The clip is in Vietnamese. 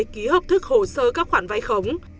ký hợp thức hồ sơ các khoản vay khống